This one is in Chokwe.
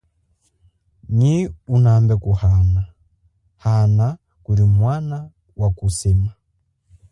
Nyi unambe kuhana hana kulimwana wakusema.